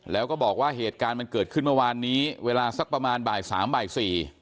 แล้วก็บอกว่าเหตุการณ์มันเกิดขึ้นเมื่อวานนี้เวลาสักประมาณบ่ายสามบ่ายสี่